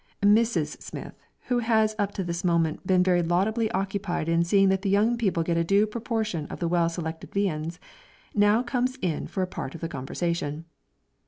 Mrs. Smith, who has up to this moment been very laudably occupied in seeing that the young people get a due proportion of the well selected viands, now comes in for a part of the conversation.